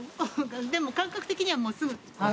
でも感覚的にはもうすぐ。